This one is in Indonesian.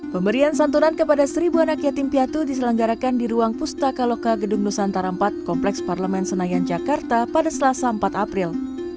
pemberian santunan kepada seribu anak yatim piatu diselenggarakan di ruang pustaka loka gedung nusantara empat kompleks parlemen senayan jakarta pada selasa empat april